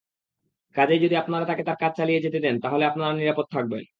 কাজেই যদি আপনারা তাকে তার কাজ চালিয়ে যেতে দেন তাহলে আপনারা নিরাপদ থাকবেন।